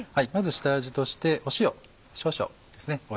まず下味として塩少々ですね。